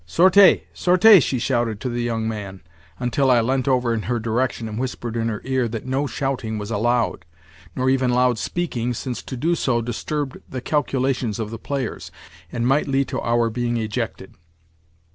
Sortez, sortez," she shouted to the young man, until I leant over in her direction and whispered in her ear that no shouting was allowed, nor even loud speaking, since to do so disturbed the calculations of the players, and might lead to our being ejected.